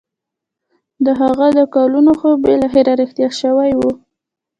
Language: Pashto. د هغه د کلونو خوب بالاخره رښتيا شوی و.